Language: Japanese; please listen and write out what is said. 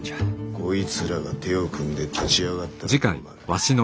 こいつらが手を組んで立ち上がったらどうなる？